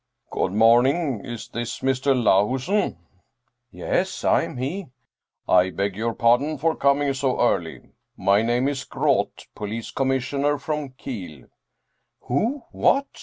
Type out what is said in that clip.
" Good morning. Is this Mr. Lahusen ?"" Yes, I am he." " I beg your pardon for coming so early. My name is Groth. Police Commissioner from Kiel." "Who? what?"